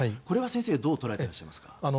これは先生どう捉えてますか？